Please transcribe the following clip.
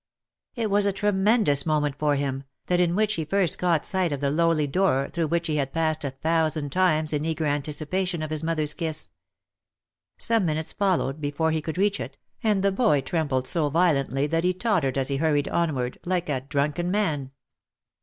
It was a tremendous moment for him, that in which he first caught sight of the lowly door through which he had passed a thousand times in eager anticipation of his mother's kiss ! Some minutes followed be fore he could reach it, and the boy trembled so violently that he tot tered as he hurried onward, like a drunken man.